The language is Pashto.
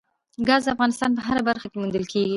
ګاز د افغانستان په هره برخه کې موندل کېږي.